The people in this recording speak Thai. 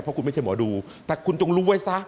เพราะคุณไม่ใช่หมอดูแต่คุณจงรู้ไว้ซะ